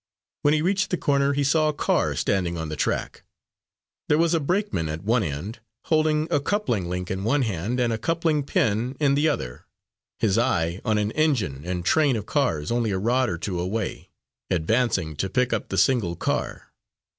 When he reached the corner he saw a car standing on the track. There was a brakeman at one end, holding a coupling link in one hand, and a coupling pin in the other, his eye on an engine and train of cars only a rod or two away, advancing to pick up the single car.